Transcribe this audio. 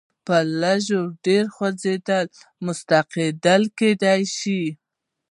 په لږ و ډېرې خوځېدنې مستفید کېدای شي.